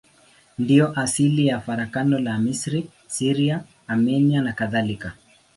Ndiyo asili ya farakano la Misri, Syria, Armenia nakadhalika.